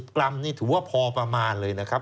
กรัมนี่ถือว่าพอประมาณเลยนะครับ